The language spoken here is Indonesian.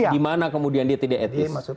dimana kemudian dia tidak etis